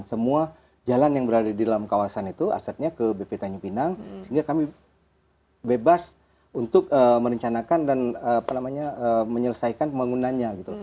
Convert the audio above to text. semua jalan yang berada di dalam kawasan itu asetnya ke bp tanjung pinang sehingga kami bebas untuk merencanakan dan menyelesaikan pembangunannya gitu